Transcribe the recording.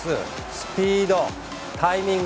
スピード、タイミング